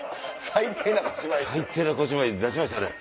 最低な小芝居出しましたね。